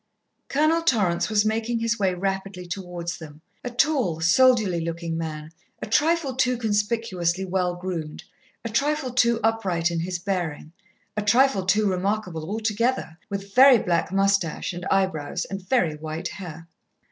Colonel Torrance was making his way rapidly towards them, a tall, soldierly looking man, a trifle too conspicuously well groomed, a trifle too upright in his bearing, a trifle too remarkable altogether, with very black moustache and eyebrows and very white hair.